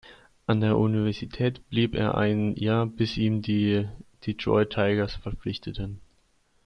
An der Universität blieb er ein Jahr, bis ihn die Detroit Tigers verpflichteten.